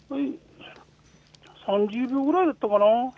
３０秒ぐらいだったかな。